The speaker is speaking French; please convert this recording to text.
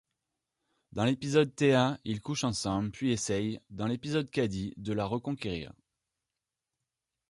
Dans l'épisode Tea ils couchent ensemble puis essaye, dans l'épisode Cadie, de la reconquérir.